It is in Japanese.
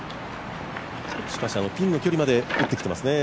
しかしピンの距離まで打ってきていますね。